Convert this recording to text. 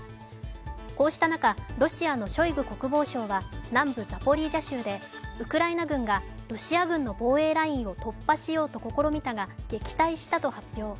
こうした中、ロシアのショイグ国防相は南部ザポリージャ州で、ウクライナ軍がロシア軍の防衛ラインを突破しようと試みたが撃退したと発表。